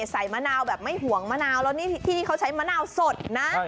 มะนาวแบบไม่ห่วงมะนาวแล้วนี่ที่นี่เขาใช้มะนาวสดนะ